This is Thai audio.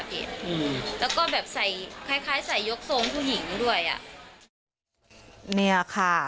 อืมแล้วก็แบบใส่คล้ายคล้ายใส่ยกทรงผู้หญิงด้วยอ่ะเนี่ยค่ะ